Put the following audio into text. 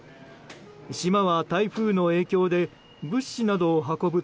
島は台風の影響で物資などを運ぶ